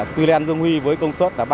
tuy lên dung huy với công suất